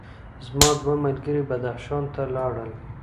زما دوه ملګري بدخشان ته لاړل.